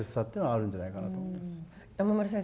山村先生